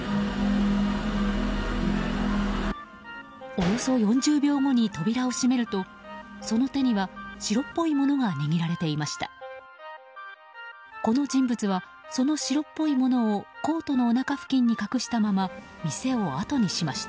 およそ４０秒後に扉を閉めるとその手には白っぽいものが握られていました。